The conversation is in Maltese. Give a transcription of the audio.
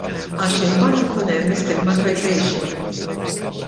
Għax imbagħad ikun hemm l-istigmatisation.